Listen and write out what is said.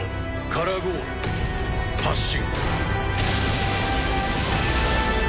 カラゴール発進。